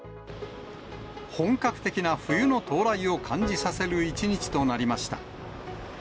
本格的な冬の到来を感じさせる一日となりました。